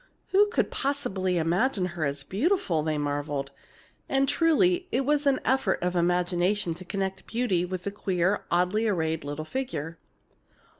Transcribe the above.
"Who could possibly imagine her as beautiful!" they marveled. And truly, it was an effort of imagination to connect beauty with the queer, oddly arrayed little figure.